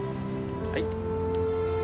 ・はい。